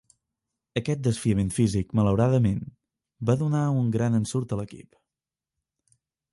Aquest desafiament físic malauradament, va donar un gran ensurt a l'equip.